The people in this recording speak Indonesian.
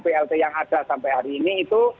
blt yang ada sampai hari ini itu